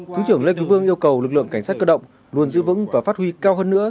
thứ trưởng lê quốc vương yêu cầu lực lượng cảnh sát cơ động luôn giữ vững và phát huy cao hơn nữa